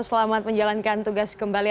selamat menjalankan tugas kembali